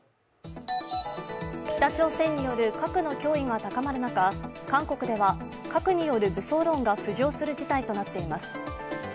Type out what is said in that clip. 北朝鮮による核の脅威が高まる中、韓国では核による武装論が浮上する事態となっています。